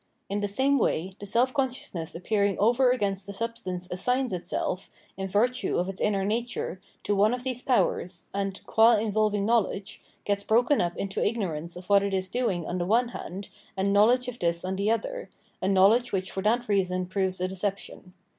In the same way, the self conscious ness appearing over against the substance assigns itself, in virtue of its inner nature, to one of these powers, and, qua involving knowledge, gets broken up into ignorance of what it is doing on the one hand, and knowledge of this on the other, a knowledge which for that reason proves a deception.